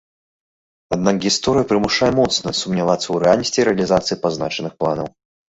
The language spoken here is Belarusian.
Аднак гісторыя прымушае моцна сумнявацца ў рэальнасці рэалізацыі пазначаных планаў.